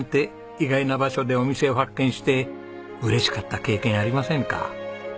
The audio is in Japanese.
意外な場所でお店を発見して嬉しかった経験ありませんか？